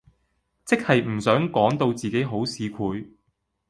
即係唔想講到自己好市儈